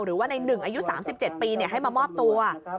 หรือว่าในหนึ่งอายุ๓๗ปีให้มามอบตัว